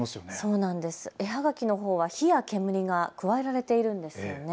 絵はがきのほうは火や煙が加えられているんですね。